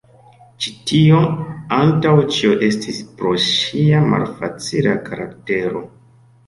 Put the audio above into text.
Ĉi tio antaŭ ĉio estis pro ŝia malfacila karaktero.